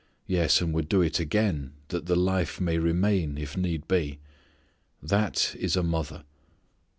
Yes, and would do it again, that the life may remain if need be. That is a mother.